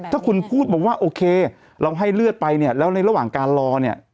ถ้าคุณพูดมาว่าโอเคเราให้เลือดไปเนี่ยแล้วในระหว่างการรอเนี่ย